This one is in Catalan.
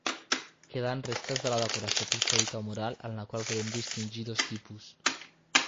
Queden restes de la decoració pictòrica mural en la qual podem distingir dos tipus.